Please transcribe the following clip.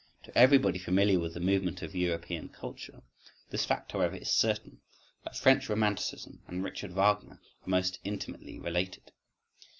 —To everybody familiar with the movement of European culture, this fact, however, is certain, that French romanticism and Richard Wagner are most intimately related.